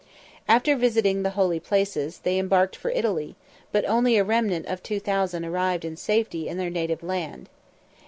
After visiting the holy places, they embarked for Italy, but only a remnant of two thousand arrived in safety in their native land.